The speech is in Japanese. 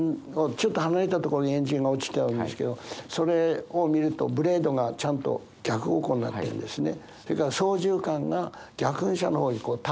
ちょっと離れたところにエンジンが落ちてあるんですけどそれを見るとブレードがちゃんと逆方向になってるんですね。